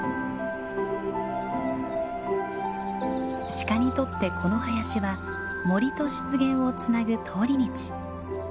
シカにとってこの林は森と湿原をつなぐ通り道。